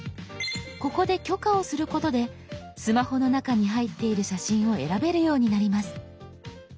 ここで許可をすることでスマホの中に入っている写真を選べるようになります。